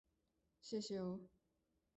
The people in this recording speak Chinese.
谢谢哦